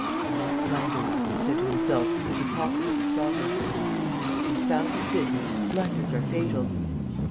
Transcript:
"No blunders!" he said to himself, as he pocketed the stopper. "In this confounded business, blunders are fatal."